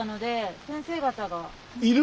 いる？